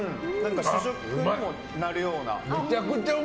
主食にもなるような。